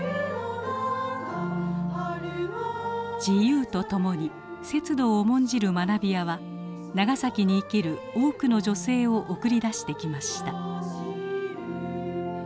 自由とともに節度を重んじる学びやは長崎に生きる多くの女性を送り出してきました。